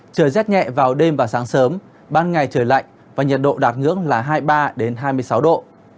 trời rét nhẹ vào đêm và sáng sớm ban ngày trời lạnh và nhiệt độ đạt ngưỡng là hai mươi ba hai mươi sáu độ